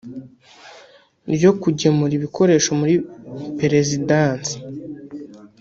ryo kugemura ibikoresho muri perezidansi